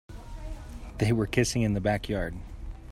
They were kissing in the backyard.